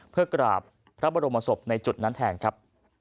เพื่อกราบพระบรมศพในจุดนั้นแทนครับ